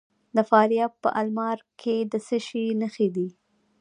د فاریاب په المار کې د څه شي نښې دي؟